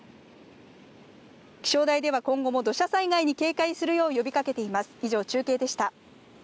気象台では今後も土砂災害に警戒するよう呼びかけています。